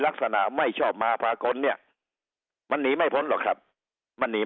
ลักษณะไม่ชอบมาพากลเนี่ยมันหนีไม่พ้นหรอกครับมันหนี